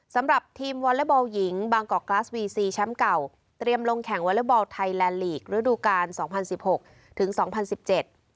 สำหรับทีมวอเล็กบอลหญิงบางกอกกลาสวีซีแชมป์เก่าเตรียมลงแข่งวอเล็กบอลไทยแลนดลีกระดูกาลสองพันสิบหกถึงสองพันสิบเจ็ด